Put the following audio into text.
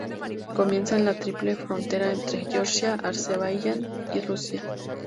Comienza en la triple frontera entre Georgia, Azerbaiyán y Rusia.